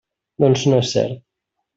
Doncs no és cert.